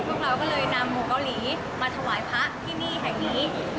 พวกเราก็เลยนำหมูเกาหลีมาถวายพระที่นี่แห่งนี้